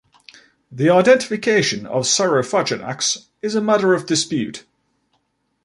The identification of "Saurophaganax" is a matter of dispute.